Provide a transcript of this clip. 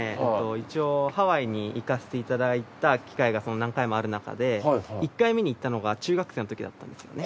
一応ハワイに行かせていただいた機会が何回もあるなかで１回目に行ったのが中学生のときだったんですよね。